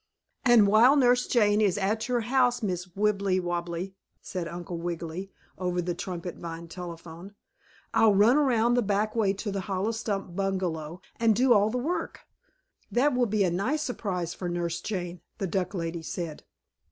"And while Nurse Jane is at your house, Mrs. Wibblewobble," said Uncle Wiggily, over the trumpet vine telephone, "I'll run around the back way to the hollow stump bungalow and do all the work." "That will be a nice surprise for Nurse Jane," the duck lady said.